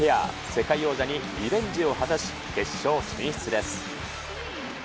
世界王者にリベンジを果たし、決勝進出です。